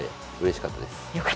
良かったです。